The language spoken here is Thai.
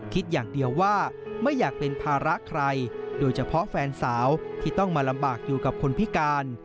คิดอย่างเดียวว่าไม่อยากเป็นภาระใครโดยเฉพาะแฟนสาวที่ต้องมาลำบากอยู่กับคนพิการ